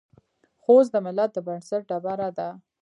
خوست د ملت د بنسټ ډبره ده.